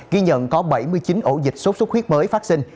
ghi nhận có bảy mươi chín ổ dịch sốt xuất huyết mới phát sinh